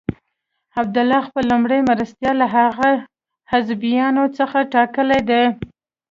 عبدالله خپل لومړی مرستیال له هغو حزبیانو څخه ټاکلی دی.